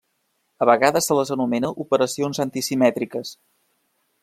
A vegades se les anomena operacions antisimètriques.